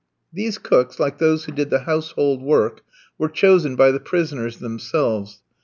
These cooks, like those who did the household work, were chosen by the prisoners themselves.